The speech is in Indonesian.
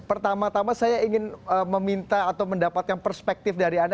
pertama tama saya ingin meminta atau mendapatkan perspektif dari anda